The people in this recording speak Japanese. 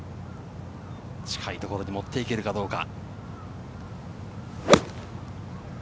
近いところに持っていけるかどうか。